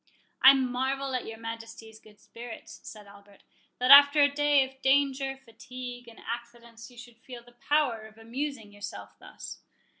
"I marvel at your Majesty's good spirits," said Albert, "that after a day of danger, fatigue, and accidents, you should feel the power of amusing yourself thus."